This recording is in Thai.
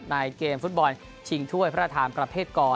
ในเกมฟุตบอลชิงถ้วยพระราชทานประเภทกร